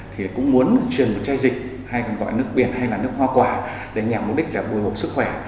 thì cũng muốn truyền một chai dịch hay còn gọi nước biển hay là nước hoa quả để nhằm mục đích là bồi hộp sức khỏe